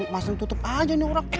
masa ngetutup aja nih orang